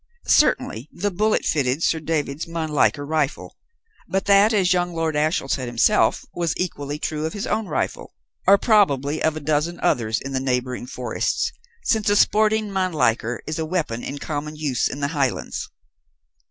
Certainly, the bullet fitted Sir David's Mannlicher rifle, but that, as young Lord Ashiel said himself, was equally true of his own rifle, or probably of a dozen others in the neighbouring forests, since a sporting Mannlicher is a weapon in common use in the Highlands.